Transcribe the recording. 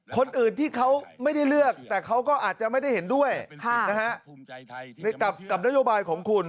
คนอื่นที่เขาไม่ได้เลือกแต่เขาก็อาจจะไม่ได้เห็นด้วยกับนโยบายของคุณ